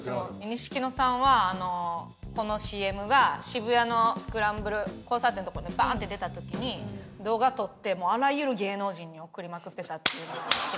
錦野さんはこのＣＭが渋谷のスクランブル交差点のとこにバーンって出た時に動画撮ってあらゆる芸能人に送りまくってたっていうのは聞きました。